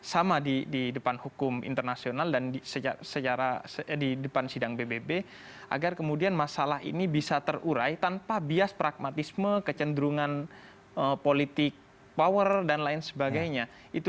sama di depan hukum internasional dan di depan sidang pbb agar kemudian masalah ini bisa terurai tanpa bias pragmatisme kecenderungan politik power dan lain sebagainya